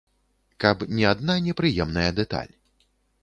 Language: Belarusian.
Каб не адна непрыемная дэталь.